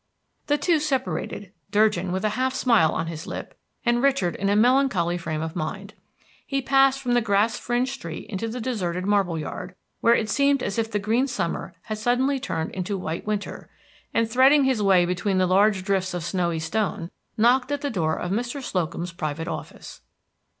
The two separated, Durgin with a half smile on his lip, and Richard in a melancholy frame of mind. He passed from the grass fringed street into the deserted marble yard, where it seemed as if the green summer had suddenly turned into white winter, and threading his way between the huge drifts of snowy stone, knocked at the door of Mr. Slocum's private office.